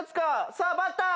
さあバッター！？